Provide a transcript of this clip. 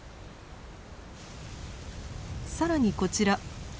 更にこちら。